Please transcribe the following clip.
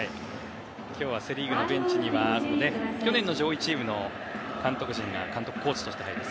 今日はセ・リーグのベンチには去年の上位チームの監督、コーチとして入ります。